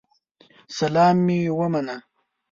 سلام مي ومنه